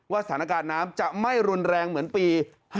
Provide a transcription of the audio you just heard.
สถานการณ์น้ำจะไม่รุนแรงเหมือนปี๕๗